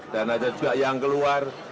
dan ada juga yang keluar